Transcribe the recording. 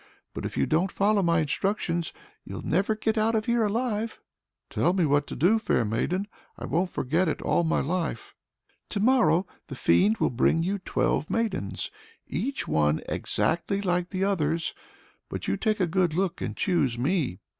But if you don't follow my instructions, you'll never get out of here alive!" "Tell me what to do, fair maiden. I won't forget it all my life." "To morrow the fiend will bring you twelve maidens, each one exactly like the others. But you take a good look and choose me.